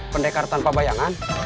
pendekar tanpa bayangan